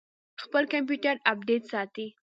خپل کمپیوټر اپډیټ ساتئ؟